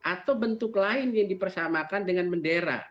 atau bentuk lain yang dipersamakan dengan bendera